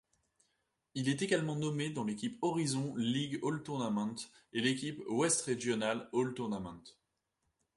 Il est également nommé dans l'équipe Horizon League All-Tournament et l'équipe West Regional All-Tournament.